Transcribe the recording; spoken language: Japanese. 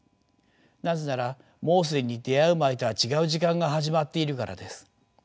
なぜならもう既に出会う前とは違う時間が始まっているからです。